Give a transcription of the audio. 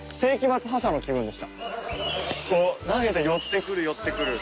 こう投げて寄ってくる寄ってくる。